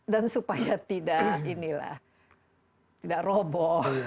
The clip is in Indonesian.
dan supaya tidak ini lah tidak robo